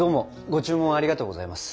ご注文ありがとうございます。